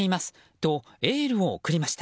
とエールを送りました。